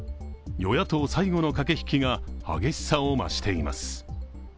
与野党最後の駆け引きが激しさを増しています。